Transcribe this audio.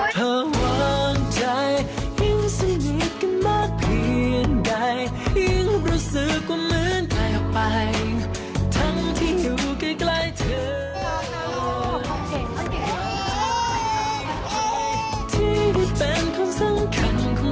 ที่จะแบ่งพิสูจน์ให้รักของเธอพอเหมือนกัน